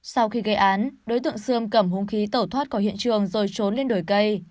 sau khi gây án đối tượng sươm cầm hung khí tẩu thoát khỏi hiện trường rồi trốn lên đồi cây